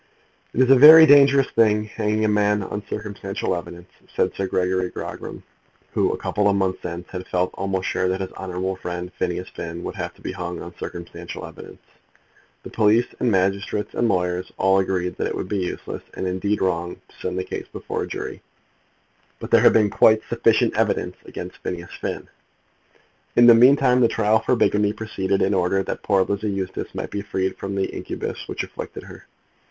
"It is a very dangerous thing hanging a man on circumstantial evidence," said Sir Gregory Grogram, who, a couple of months since, had felt almost sure that his honourable friend Phineas Finn would have to be hung on circumstantial evidence. The police and magistrates and lawyers all agreed that it would be useless, and indeed wrong, to send the case before a jury. But there had been quite sufficient evidence against Phineas Finn! In the meantime the trial for bigamy proceeded in order that poor little Lizzie Eustace might be freed from the incubus which afflicted her.